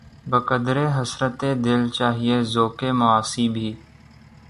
بقدرِ حسرتِ دل‘ چاہیے ذوقِ معاصی بھی